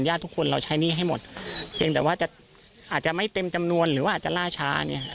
ทุกคนเราใช้หนี้ให้หมดเพียงแต่ว่าจะอาจจะไม่เต็มจำนวนหรือว่าอาจจะล่าช้าเนี่ย